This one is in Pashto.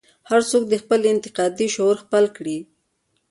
هر څوک دې خپل انتقادي شعور خپل کړي.